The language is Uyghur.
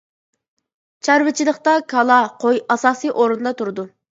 چارۋىچىلىقتا كالا، قوي ئاساسىي ئورۇندا تۇرىدۇ.